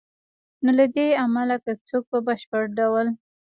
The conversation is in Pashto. نو له همدې امله که څوک په بشپړ ډول